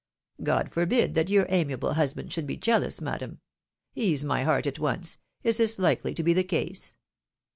God forbid that your amiable husband should be jealous, madam ! Ease my heart at once ; is this likely to be the case?